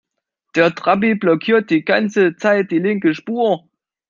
Der Trabi blockiert die ganze Zeit die linke Spur.